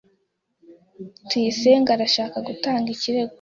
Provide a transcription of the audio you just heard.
Tuyisenge arashaka gutanga ikirego.